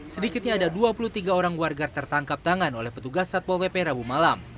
sedikitnya ada dua puluh tiga orang warga tertangkap tangan oleh petugas satpol pp rabu malam